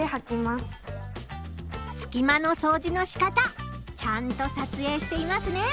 すき間のそうじのしかたちゃんと撮影していますね。